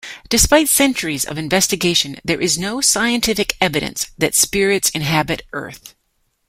Despite centuries of investigation, there is no scientific evidence that spirits inhabit Earth.